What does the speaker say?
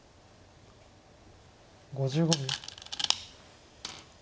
５５秒。